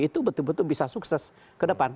itu betul betul bisa sukses ke depan